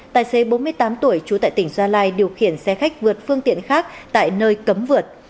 tài xế bốn mươi tám tuổi trú tại tỉnh gia lai điều khiển xe khách vượt phương tiện khác tại nơi cấm vượt